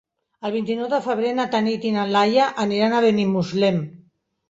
El vint-i-nou de febrer na Tanit i na Laia aniran a Benimuslem.